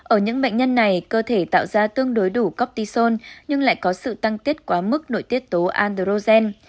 ở những bệnh nhân này cơ thể tạo ra tương đối đủ coptison nhưng lại có sự tăng tiết quá mức nội tiết tố androgen